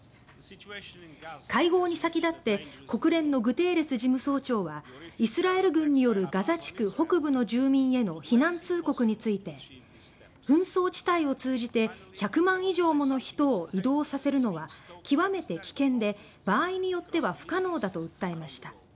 会合に先立って国連のグテーレス事務総長はイスラエル軍によるガザ地区北部の住民への避難通告について紛争地帯を通じて１００万以上もの人を移動させるのは極めて危険で、場合によっては不可能だと訴えました。